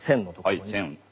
はい線。